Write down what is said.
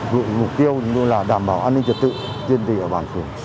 được mục tiêu như là đảm bảo an ninh trật tự tiên tỷ ở bản thường